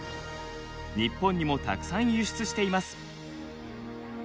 日本にもたくさん輸出しています。